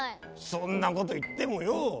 そんなこと言ってもよう！